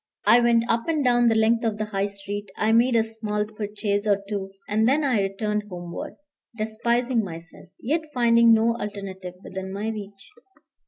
I went up and down the length of the High Street. I made a small purchase or two. And then I turned homeward, despising myself, yet finding no alternative within my reach.